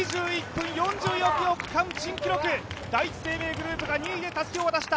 区間新記録、第一生命グループが２位でたすきを渡した。